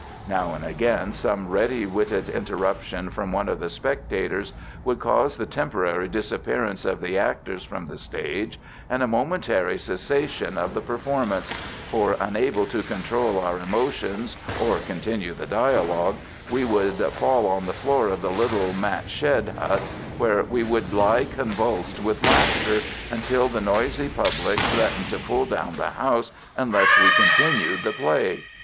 Now and again some ready witted interruption from one of the spectators would cause the temporary disappearance of the actors from the stage and a momentary cessation of the performance, for, unable to control our emotions or continue the dialogue, we would fall on the floor of the little mat shed hut, where we would lie convulsed with laughter, until the noisy public threatened to pull down the house unless we continued the play.